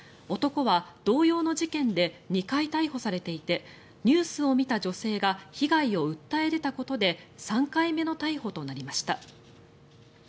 男は同様の事件で２回逮捕されていてニュースを見た女性が被害を訴え出たことで３回目の逮捕となりました。